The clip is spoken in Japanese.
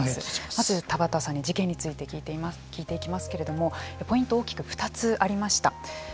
まず田畑さんに事件について聞いていきますけれどもポイント大きく２つありました。